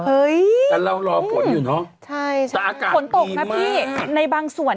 เฮ้ยแต่เรารอผลอยู่เนอะใช่แต่อากาศดีมากผลตกนะพี่ในบางส่วน